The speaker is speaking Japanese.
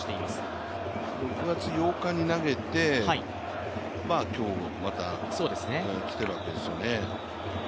武田６月８日に投げて、今日また来ているわけですよね。